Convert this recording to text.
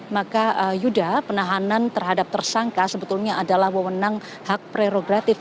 maka yuda penahanan terhadap tersangka sebetulnya adalah wewenang hak prerogatif